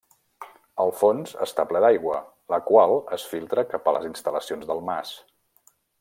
El fons està ple d'aigua, la qual es filtra cap a les instal·lacions del mas.